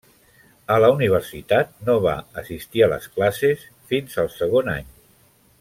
A la universitat, no va assistir a les classes fins al segon any.